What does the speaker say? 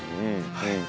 はい。